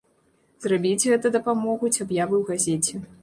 Зрабіць гэта дапамогуць аб'явы ў газеце.